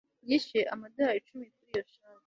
Yishyuye amadorari icumi kuri iyo shati